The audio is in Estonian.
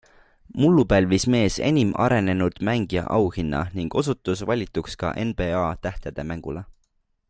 Mullu pälvis mees enim arenenud mängija auhinna ning osutus valituks ka NBA tähtede mängule.